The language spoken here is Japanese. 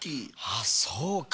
ああそうか。